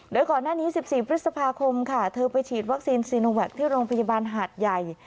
โดยก่อนหน้านี้๑๔พฤษภาคมค่ะเธอไปฉีดวัคซีนซีโนแวคที่โรงพยาบาลหาดใหญ่